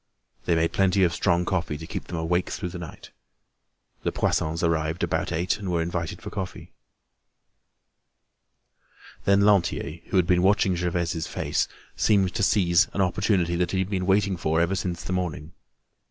They made plenty of strong coffee to keep them awake through the night. The Poissons arrived about eight and were invited for coffee. Then Lantier, who had been watching Gervaise's face, seemed to seize an opportunity that he had been waiting for ever since the morning.